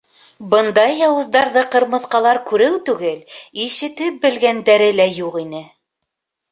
Бындай яуыздарҙы ҡырмыҫҡалар күреү түгел, ишетеп белгәндәре лә юҡ ине.